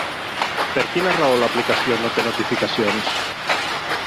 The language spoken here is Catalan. Per quina raó l’aplicació no té notificacions?